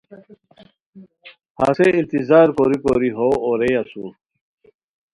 ہسے انتظار کوری کوری ہو اوریئے اسور